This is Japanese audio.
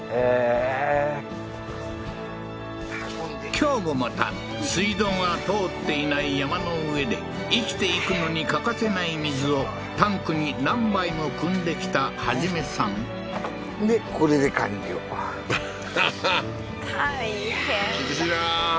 今日もまた水道が通っていない山の上で生きていくのに欠かせない水をタンクに何杯もくんできた一さんでこれで完了はははっ大変だ厳しいなあ